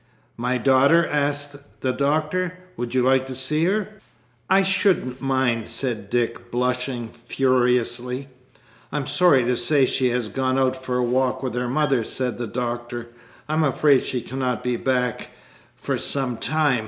"My daughter?" asked the Doctor. "Would you like to see her?" "I shouldn't mind," said Dick, blushing furiously. "I'm sorry to say she has gone out for a walk with her mother," said the Doctor. "I'm afraid she cannot be back for some time.